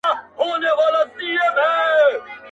د عمر جان صاحبزاده په نامه جوړه کړې وه.